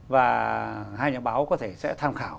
và hai nhà báo có thể sẽ tham khảo